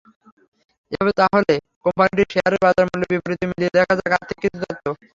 এবার তাহলে কোম্পানিটির শেয়ারের বাজারমূল্যের বিপরীতে মিলিয়ে দেখা যাক আর্থিক কিছু তথ্য।